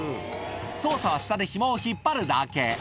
操作は下でひもを引っ張るだけ。